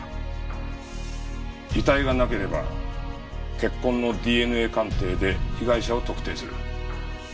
遺体がなければ血痕のＤＮＡ鑑定で被害者を特定する。